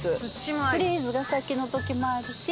フレーズが先の時もあるし